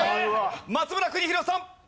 松村邦洋さん！